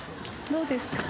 どうですか？